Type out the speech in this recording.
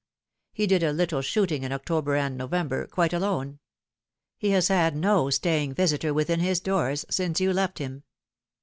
He did a little shooting in October and November, quite alone. He has had no staying visitor within his doors since you left him.